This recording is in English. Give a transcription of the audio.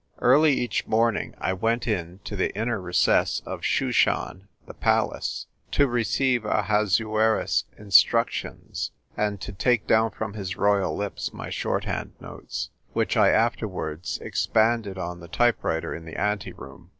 Early each morning 1 went in to the inner recess of Shushan the palace to receive Ahasuerus's instructions, and to take down from his royal lips my shorthand notes, which I afterwards expanded on the type writer in the anteroom.